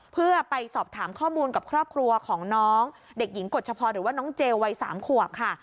เพื่อไปสอบถามข้อมูลกับครอบครัวของน้องเด็กหญิงกฎชพรหรือว่าน้องเจลวัย๓ขวบค่ะ